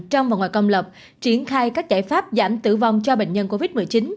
trong và ngoài công lập triển khai các giải pháp giảm tử vong cho bệnh nhân covid một mươi chín